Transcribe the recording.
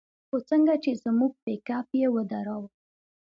خو څنگه چې زموږ پېکپ يې ودراوه.